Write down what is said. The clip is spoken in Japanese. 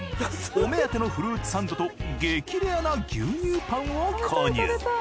お目当てのフルーツサンドと激レアな牛乳パンを購入。